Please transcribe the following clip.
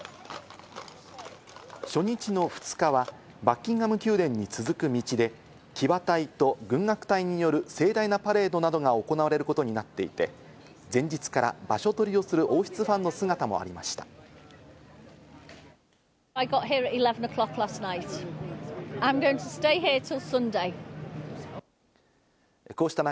初日の２日はバッキンガム宮殿に続く道で、騎馬隊と軍楽隊による盛大なパレードなどが行われることになっていて、前日から場所取りをする王室ファンの姿もありました。